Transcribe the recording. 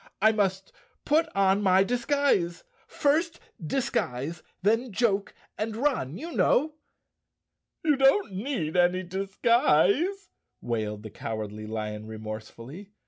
"I must put on my disguise—first disguise, then joke and run, you know!" "You don't need any disguise," wailed the Cowardly Lion remorsefully.